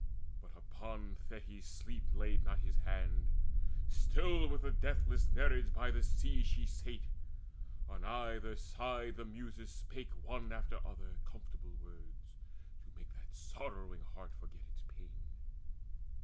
But upon Thetis sleep laid not his hand: Still with the deathless Nereids by the sea She sate; on either side the Muses spake One after other comfortable words To make that sorrowing heart forget its pain.